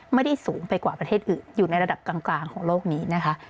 ไม่ได้สูงไปกว่าประเทศอื่นอยู่ในระดับกลางของโลกนี้นะคะ